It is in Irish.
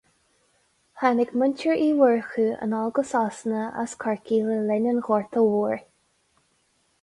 Tháinig muintir Uí Mhurchú anall go Sasana as Corcaigh le linn an Ghorta Mhóir.